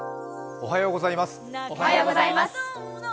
おはようございます。